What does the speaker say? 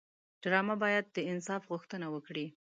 ډرامه باید د انصاف غوښتنه وکړي